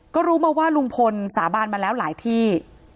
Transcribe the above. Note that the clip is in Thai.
ก็รู้มาว่าลุงพลสาบานมาแล้วหลายที่